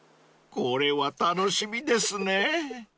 ［これは楽しみですね］